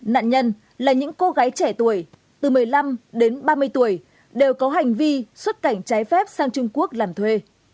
nạn nhân là những cô gái trẻ tuổi từ một mươi năm đến ba mươi tuổi đều có hành vi xuất cảnh trái phép sang trung quốc làm thuê